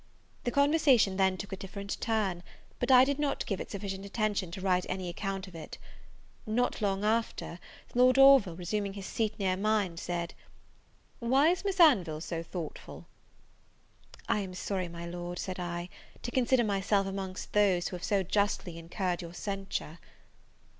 The conversation then took a different turn; but I did not give it sufficient attention to write any account of it. Not long after, Lord Orville, resuming his seat near mine, said, "Why is Miss Anville so thoughtful?" "I am sorry, my Lord," said I, "to consider myself among those who have so justly incurred your censure."